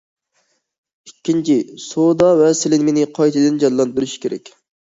ئىككىنچى، سودا ۋە سېلىنمىنى قايتىدىن جانلاندۇرۇش كېرەك.